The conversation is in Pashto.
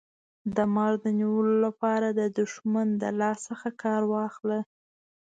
د مار د نیولو لپاره د دښمن د لاس څخه کار واخله.